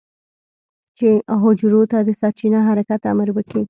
چې حجرو ته د سرچپه حرکت امر وکي.